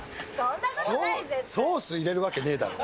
ソース入れるわけねえだろ。